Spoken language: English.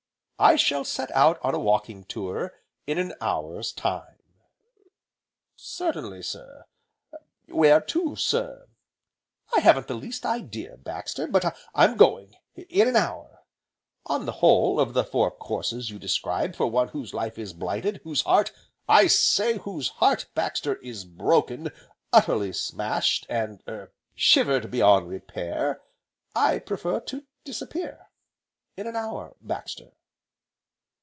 "I shall set out on a walking tour in an hour's time." "Certainly, sir, where to, sir?" "I haven't the least idea, Baxter, but I'm going in an hour. On the whole, of the four courses you describe for one whose life is blighted, whose heart, I say whose heart, Baxter, is broken, utterly smashed, and er shivered beyond repair, I prefer to disappear in an hour, Baxter."